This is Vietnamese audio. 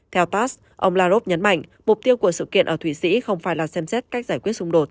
theo pass ông lavrov nhấn mạnh mục tiêu của sự kiện ở thủy sĩ không phải là xem xét cách giải quyết xung đột